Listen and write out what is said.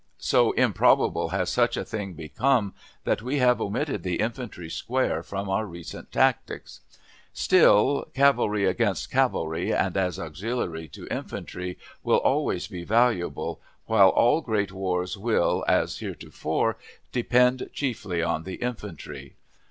So improbable has such a thing become that we have omitted the infantry square from our recent tactics. Still, cavalry against cavalry, and as auxiliary to infantry, will always be valuable, while all great wars will, as heretofore, depend chiefly on the infantry.